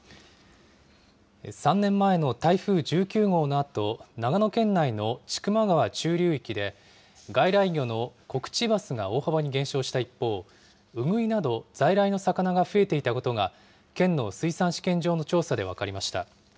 ３年前の台風１９号のあと、長野県内の千曲川中流域で、外来魚のコクチバスが大幅に減少した一方、ウグイなど在来の魚が増えていたことが、県の水産試験場の調査で分かりました。